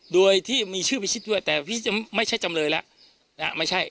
โดยที่มีชื่อพิชิตด้วยแต่พี่จะไม่ใช่จำเลยแล้วไม่ใช่